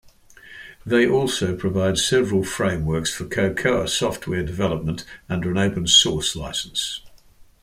They also provide several frameworks for Cocoa software development under an open source license.